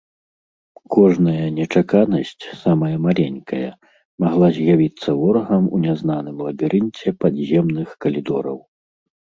Кожная нечаканасць, самая маленькая, магла з'явіцца ворагам у нязнаным лабірынце падземных калідораў.